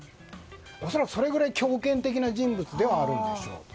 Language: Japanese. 恐らくそれぐらい強権的な人物ではあるんでしょう。